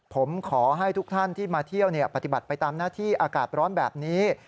ผมขอให้ทุกท่านที่มาเที่ยวปฏิบัติไปตามหน้าที่อากาศร้อนแบบนี้